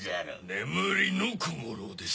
「眠りの小五郎」です！